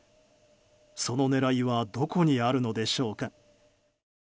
その狙いはどこにあるのでしょうか。